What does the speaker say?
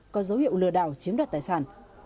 có dấu hiệu lừa đảo chiếm đoạt tài sản